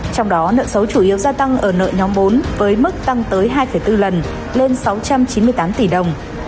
trong đó nợ xấu chủ yếu gia tăng ở nợ nhóm bốn với mức tăng tới hai bốn lần lên sáu trăm chín mươi tám tỷ đồng